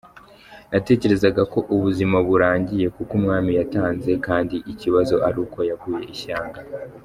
Natekerezaga ko ubuzima burangiye kuko umwami yatanze kandi ikibazo ari uko yaguye ishyanga”.